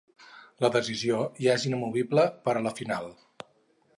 La decisió ja és inamovible per a la final.